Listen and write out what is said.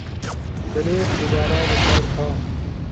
کلپ دوبارا ریکارڈ تھا